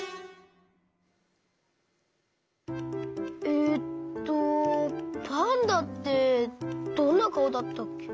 えっとパンダってどんなかおだったっけ？